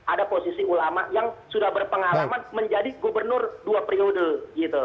ada posisi ulama yang sudah berpengalaman menjadi gubernur dua periode gitu